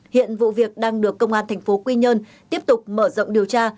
hiện vụ việc đang được công an tp quy nhơn tiếp tục mở rộng điều tra